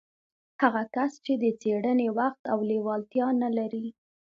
هغه کس چې د څېړنې وخت او لېوالتيا نه لري.